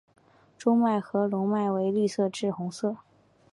中脉和笼蔓为绿色至红色。